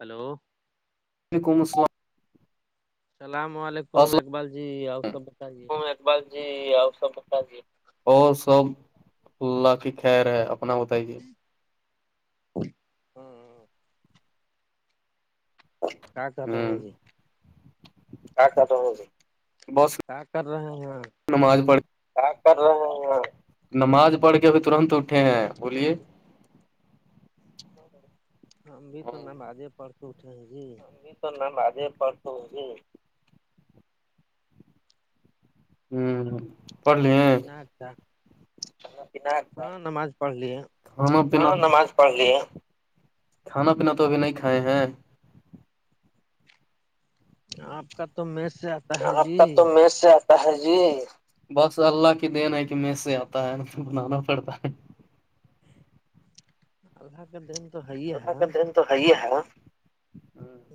hello وعلیکم السلام السلام علیکم اقبال جی اپ سب بتائیے بس جی سب جی اور سب اللہ کی خیر ہے اپنا بتائیے ہاں کیا کر رہے ہمم ہیں جی بس کیا کر رہے ہیں آپ نماز پڑھ کے کیا کر رہے ہیں نماز پڑھ کے وہ ترنت اٹھے ہیں بولیے ہم بھی تو نمازے پڑھتے اٹھے ہیں جی ابھی تو نمازیں پڑھ کے اٹھے ہیں ہممم کھانا پینا اچ کیا ہاں نماز پڑھ لی ہے کھانا پینا نماز پڑھ کھانا پینا تو ابھی نہیں کھائے ہیں آپ کا تو می سے آ آپ کا تو میز سے جی بس اللہ کی دین ہے کہ میں سے آتا ہے ان بنانا پڑتا ہے اللہ کا دین تو ہے ہی خدا ہے کا دین تو ہے ہی ہے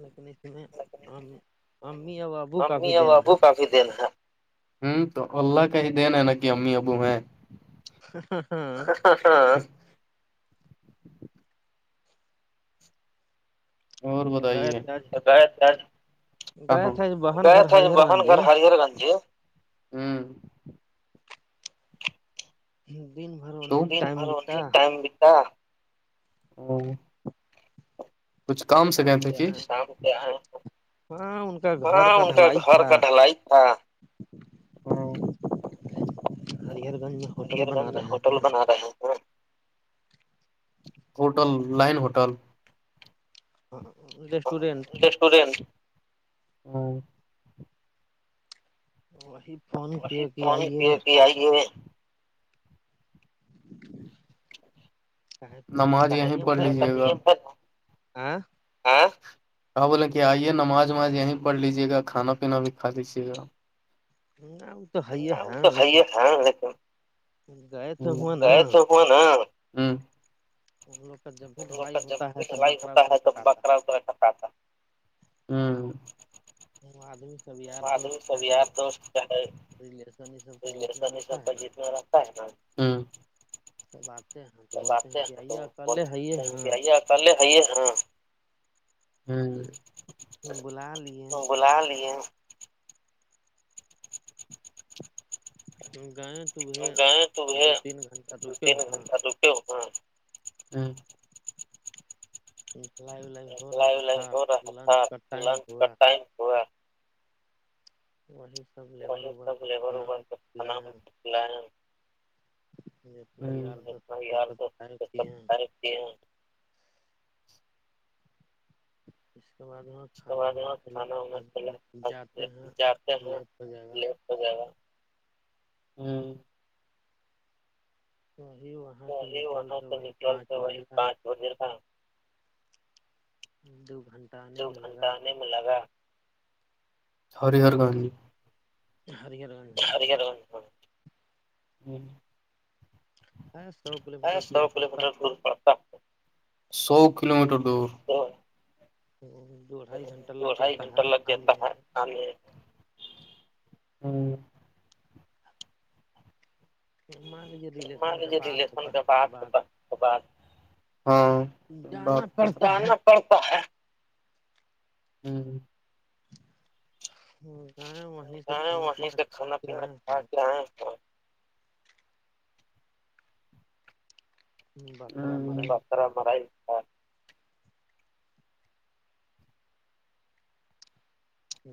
لیکن اس میں ہم امی اور بابو کا بھی امی اور دین ہے ابو کا دین ہ تو اللہ کا ہی دین ہے نا کہ امی ابو ہیں [unintelligible] [unintelligible] اور ہم تو گئے بتائیے تھے آج گئے تھے آج بہن گئے گھر تھے ہریر بہن گنج جی، گھر ہرہر گنج ج ہ دن بھر انیں ٹائم بتا [unintelligible] کچھ کام سے شام گئے تھے کے کہ آئے ہاں کا گھر ہاں ان کا ڈھلائی گھر تھا کا ڈھلائی تھا ہریہر گنج میں ہوٹل ہرر گنج بنا میں رہے ہوٹل ہیں بنا رہے ہیں ہوٹل لائن ہوٹل ہاں ریسٹورینٹ اسڈینٹ [unintelligible] مشید سونی آئیے کیے کہ آئیے [inaudible] تو ادھر نماز کا یہیں نیم پڑھ ہے نا لیجیے ہاں کہ بولے کہ آئیے نماز وماز یہیں پڑھ لیجیے گا کھانا پینا بھی کھا لیجیے گا ہ وہ تو ہے وہ ہے تو صحیح لیکن تھا لیکن گئے تو ہوا نا [unintelligible] [unintelligible] ہم لوگ ڈھلائی کا جب ہوتا ہے بھی تو ڈلائی بکرا ہوتا وکرا ہے تو کٹاتا بکرا وکرا کرتا آتا ہ ہے آدمی سب یار آدمی دوست سب چاہے یار دوست کا ہے ریلیشن یہ سب کا مس جتنا سب رہتا ہے کا نا جیتنا رہتا ہے نا سب آتے ہیں تو سب بولتے آتے کہ ہیں تو آئیے اکلے آئیے بولتے ہیں ہاں کہ آئییا کلے آئیے ہاں بلا لیے بولا لئے [inaudible] گئے تو وہ دو تین گھنٹہ دو رکے تین ہوئے گھنٹہ رکے ہو فلائی ولائی ہو اپلائی رہا ولائی تھا ہو پھر رہا تھا لنچ کا ٹائم لنچ کا ہوا ٹائم ہوا وہی سب لیبر وہی وبر سب کا لیبر کھانا وبر کھانا کھلائے ہیں جتنا یار دوست سب کھائے پیے ہیں [unintelligible] اس کے بعد وہاں اس کے کھانا بعد وانا وہ کھانا وانا چلا کھلا جاتے ہیں جاتے ہیں لیٹ ہو جائے گا لے [inaudible] وہی وہاں سے وہی نکل وہاں تو سے وہیں پانچ نکلتے بجے وہی رہ [unintelligible] دو گھنٹہ آنے میں لگا گھنٹنے میں لگا ہر ہر گان [unintelligible] [inaudible] ہاں سو کلو میٹر دور ہسب کے پڑتا فٹر بول سو کلو میٹر دور تو دو ڈھائی گھنٹہ لگ جاتا ہے آنے میں ہاں [inaudible] کا لیجے بات ریشن ہوتا کا ہے بات بات ہاں جانا پڑتا ہے جانا پڑتا ہے ہوں گئے وہیں سے گئے کھانا وہیں پینا سے کھا کھانا کے پینا آئے کھا کے آئے ہیں ہوں بکرا مرائی بتارا تھا مر ایک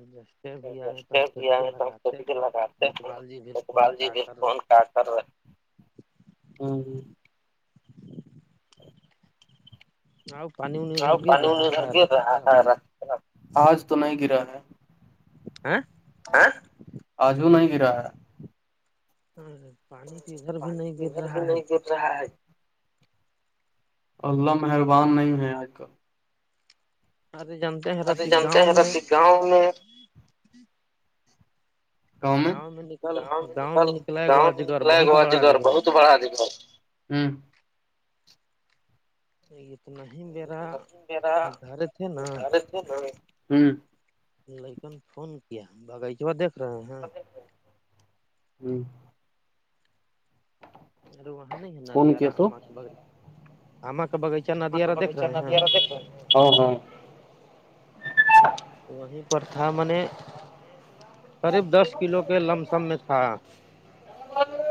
بیستے بھی آئے تو ہم سوچ کے آئے تو ہم لگاتے کبھی کے ہیں لگاتے اقبال جی بھیھر فون کا کر کاٹر آؤ پانی ادھر گر پانی رہا ہے ر وانیھر کی طرف آج تو نہیں گرا ہے ہاں اجو نہیں رہاا ہاں پانی پ گھر بھی پانی نہیں تو گر ادھر رہا ہے [inaudible] اللہ مہربان نہیں ہے آج کل آر تو جانتے ہیں ادے رتی جانتے گاؤں میں ہیںرھی گاؤں میں گاؤں میں نکل گاؤں میں نکل نکلا ہے گو گاؤں میں اجگر نکلا گ بہت بڑا اجگر بہت بڑا اجگگر ہوں اتنا ہی میرا میرا سدھارے تھ ہے نا [unintelligible] گارے ہوں لیکن فون کیا باغیچا دیکھ رہے ہیں ہاں ارو وہاں نہیں ہے ندی فون کیا تو آم کے بغ آم کے بغچ تو بیچ ن اا دیکھ [unintelligible] وہیں پر تھا میں نے قریب دس کلو کے لمسم میں تھا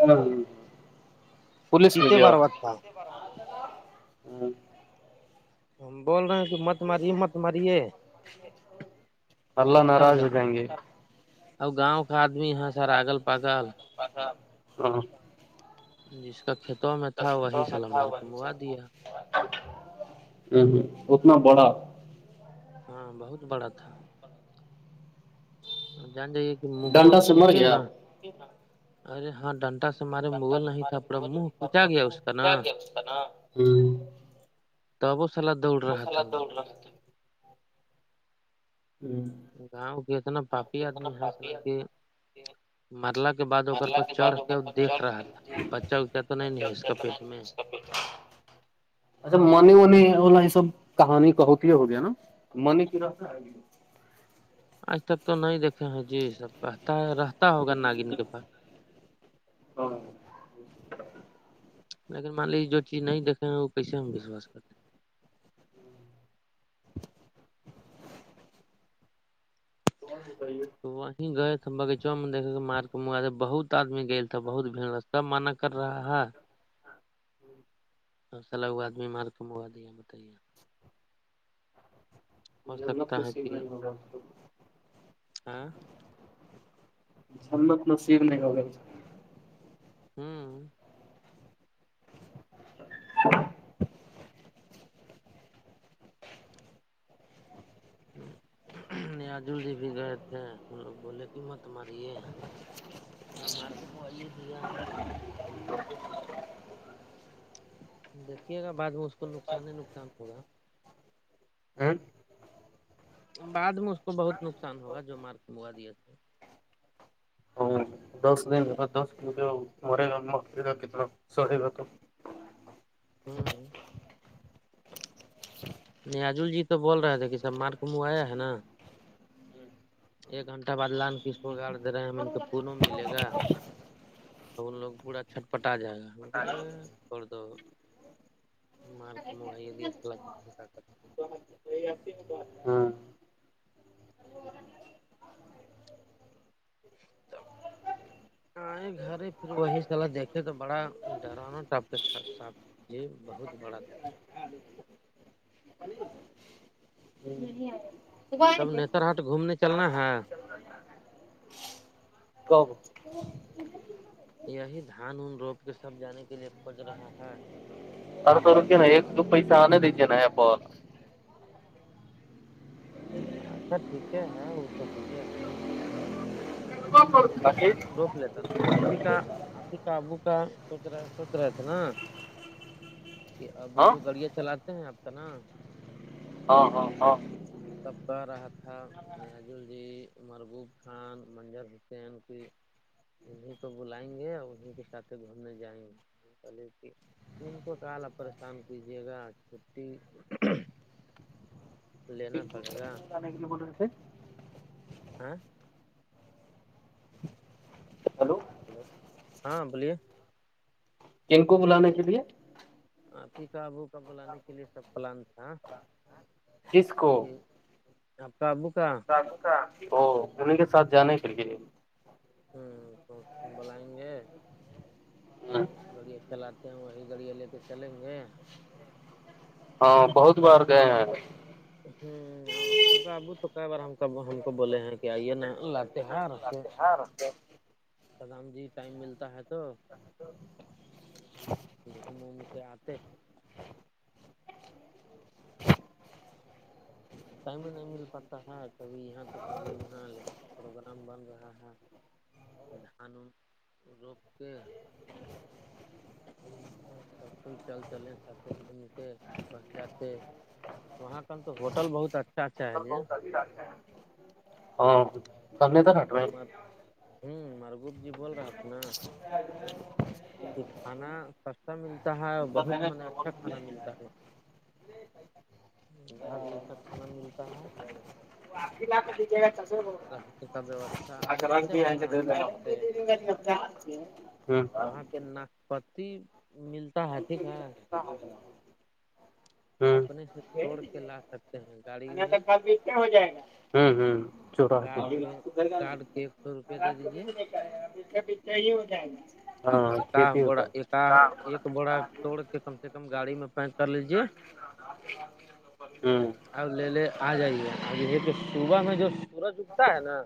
ہوں ہ [unintelligible] چتے بر بات تھا ہوں [unintelligible] ہم بول رہے ہیں کہ مت ماریے مت ماریے اللہ اکثر ناراض ہو گاؤں جائیں گے ا گاؤں کا آدمی یہ سر آگل پاگل ہاں ہ جس کا ک تو میں تھا وہی سلمار کنوا دیا ہ ہوں اتنا بڑا ہاں بہت بڑا تھا جان جائیے کہ منہا ڈنڈا سے مر کوچے گیا نا ارے ہاں ڈنٹا سے ہمارے مغل نہیں ہمارے تھا پر موہ پچا گیا اس کا نا گیا اس کا نا وہ ت وہ سالا دوڑ رہا سلا تھا وہ دوڑ رہا تھا ہی [unintelligible] گاؤں کے اتنا پاپی آدمی ہے چلاک آدمی مرلا کے بعد ا پ مرلا بعد چڑھ کے دیکھ رہا تھا کہ بچہ کیا تو نہیں نہیں ہے اس کا پیٹ میں [inaudible] [inaudible] اچھا منی ونی والا یہ سب کہانی کہتی ہوگیا نا منی کی ری آج تک تو نہیں دیکھے ہیں جی سبتا ہے رہتا ہوگا ناگین کے پاس ہاں [unintelligible] اچ [inaudible] لیکن مان لجے جو چیز نہیں دیکھے وہ کیسے میں وشوا کرتے ہیں تومان بتائیے [unintelligible] ہیں وہیں گئے تھ بغیچہ میں دھے کے مارک مگا بہت آدمی کھیل تو بہت سب معنی کر رہا ہے چ آدمی مارک م ہووا دیا بتائیے ہو جنا سکتا ہے توسیب کہ نہیں ہو رہا ہاں [unintelligible] سمت ن سیر نہیں ہوگ [unintelligible] ہوں اھ [unintelligible] یاجل جی بھی گئے تھے ہم لوگ بولے قیمت تمہاری ہے پ مارک موائیے دیا دیکھیے گا بعد میں اس کو نقصان ہی نقصان ہوگا ا [unintelligible] بعد میں اس کو بہت نقصان ہوگا جو مارک موا دیا دس دن دس مج جو مرے گا مے گا کتنا سڑے گا تو [unintelligible] ہوں نیاجول جی تو بول رہے تھے کہ سب مارک منہ آیا ہے نا ایک گھنٹہ بع لان کس کو گڑ دے رہے ہیں م کو پونو ملے گا [unintelligible] تو ان لوگ پورا چھٹ پٹا جائے گا ہمے کر دو مارک م [unintelligible] سی بات [unintelligible] تب [unintelligible] آئے گھر ہے پھر وہی سلا دیکھے تو بڑا ڈر نا ٹپ تھا سا جی بہت بڑا نہیں آ رہ [unintelligible] تب نتر ہاٹ گھومنے چلنا ہے کہ [unintelligible] [unintelligible] یہی دھان ان روپ کے سب جانے کے لیے کج رہا ہے سر س روکے نا ایک دو پیسہ آنے دیجیے نا یہپ اچھا ٹھیک ہے ہے وہ توح ہے ہم جیسے کہ دھان روپ لیتا نا آفی کا آفی کا ابو کا سو رہا سوچ رہے تھے نا کہ ابو ہاں جو گاڑیاں چلاتے ہیں آپ کا نا ہاں ہاں ہاں کبتا رہا تھا [unintelligible] نزل جی مربوب خان منجر حسین کی انیں کو بلائیں گے اور انہیں کے ساتھ گھومنے جائیں گے [unintelligible] چلے ت ت کو کال پریشان کیجیے گا چھٹی [unintelligible] لینا پڑے گا ب ب سے [unintelligible] ہاں ہلو ہیلو ہاں بولیے کن کو بلانے کے لیے آپ کاابو کا بلانے کے لیے سب پلان تھا کس کو آ ابو کا [unintelligible] ا دیں کے ساتھ جانے کے لیے [unintelligible] ہوں تو بلائیں گے تو گاڑیاں چلاتے ہیں وہی گاڑیاں لے کے چلیں گے ہاں بہت بار گ [unintelligible] ہ اب کا ابو تو کئی بار ہم ہم کو بولے ہیں کہ آئیے نا لااتہار [unintelligible] ہاں رے [unintelligible] سدام جی ٹائم ملتا ہے تو [unintelligible] گھوم اوم کے آتے [unintelligible] ٹائم نہیں مل پاتا ہے کبھی یہاں تو کبھی وہاں پروگرام بن رہا ہے دھان روپ کے [unintelligible] سب کوئی چل چلے سات گھوم کےھر بس جاتے وہاں کا تو ہوٹل بہت اچھا اچھا ہے یہ ہاں سنے تو کٹ پ [unintelligible] ہوں مرگوپ جی بول رہا تھا نا [inaudible] کھانا سستا ملتا ہے اور بہت م اچھا کھانا ملتا ہے گھر ج سا کھانا ملتا ہے [unintelligible] آپ بات [unintelligible] جا رہنے کا ویوستھا [unintelligible] ا اور کر ر جانتے ہیں وہاں کا سے بھی [unintelligible] وہاں پہ نااک پتی ملتا ہے ٹھیک ہے ال [unintelligible] اپنے سے توڑ کے لا سکتے ہیں گاڑی میں جائے گا ہ ہ چوراتی کار [inaudible] بی کے کارڈ کے ایک سو روپے دے دیجیے بیھا ہی ہوتا ہے گا [inaudible] بڑ ایک بڑا چڑ کتن [inaudible] کم گاڑی میں پینک کر لیجے ہ اب لے لے آ جائیے اب یہ تو صبح میں جو سورج اگتا ہے نا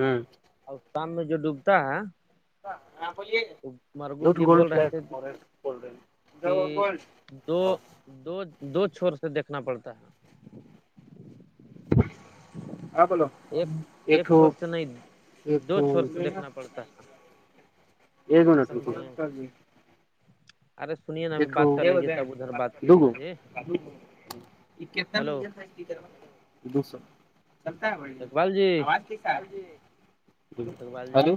ہوں اور کام میں جو ڈوبتا ہے و لٹ مرگوب جی گولڈ بول رہے فلگ تھے کہ اورج کوڈ ڈک [unintelligible] کہ دو دو دو چور سے دیکھنا پڑتا ہے ہاں بولو ہے ایک ایک ایکٹ چھور سے نہیں [unintelligible] ایک دو تو چھور سے دیکھنا پڑتا ہے ایک تونا [unintelligible] [unintelligible] اور ایک گا جی ہلو [inaudible] دو سو چلتا ہے بڑھیا اقبال جی آواز کے س [inaudible] اقبال جی ہلو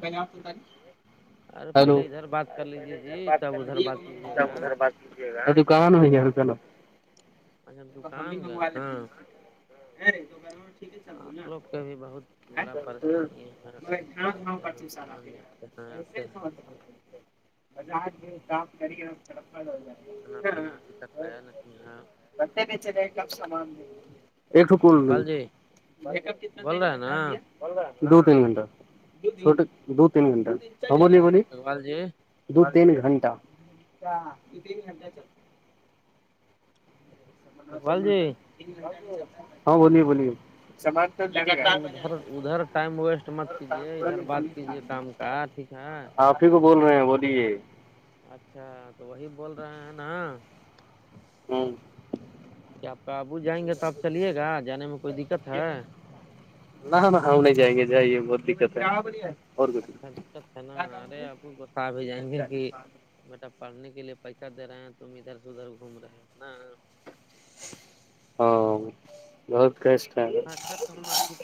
ارے پہلے ہلو ادھر بات کر لیجے جی تب ادھر بات کیجیے گا [inaudible] ب ا کہان نہیںتا ن اچھا دکان کا ہاں آپ لوگ کو بھی بہت بڑا پریشانی ہے آتے ہیں دکان جاتے ہیں آتے ہیں ا آ سپ کر کڑپ آا [inaudible] کھانا پینا ابھی تک آیا نہیں ہے رتے بیچ رہے کہ آپ سامان ایکک اقبال جی کتنا بول رہے ہیں نا دیا [inaudible] دو تین گھنٹہ چھوٹے دو تین گھنٹہولیے [unintelligible] اکوال جی [inaudible] دو تین گھنٹہ ہ کت بھی ہ [inaudible] اقبال جی ہاں بولیے بولیے سمج ارے ادھر ادھر ٹائم ویسٹ مت کیجیے ادھر بات کیجیے کام کا ٹھیک ہے [unintelligible] ب [inaudible] ک بول رہے ہیں بولیے اچھا تو وہی بول رہے ہیں نا ہوں کیا آپ قابو جائیں گے تو آپ چلیے گا جانے میں کوئی دکت ہے نہ نہ ہم نہیں جائیں گے جائیے بہت دکت ہے اور کچھ اچھا اچھا نا ارے آپ کو بسا بھی جائیں گے کہ [unintelligible] بیٹا پڑھنے کے لیے پیسہ دے رہے ہیں تم ادھر سے ادھر گھوم رہے نا ہاں بہت کسٹ ہے س تو ہم آپ [inaudible]